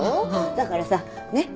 だからさねっ。